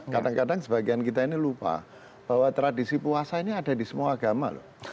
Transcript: kadang kadang sebagian kita ini lupa bahwa tradisi puasa ini ada di semua agama loh